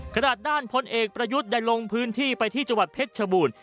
ด้านพลเอกประยุทธ์ได้ลงพื้นที่ไปที่จังหวัดเพชรชบูรณ์